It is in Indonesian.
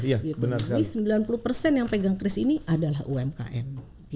jadi sembilan puluh yang pegang kris ini adalah umkm